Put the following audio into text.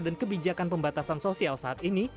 kebijakan pembatasan sosial saat ini